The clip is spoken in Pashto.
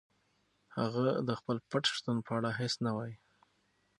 هغه د خپل پټ شتون په اړه هیڅ نه وايي.